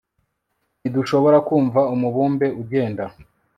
ntidushobora kumva umubumbe ugenda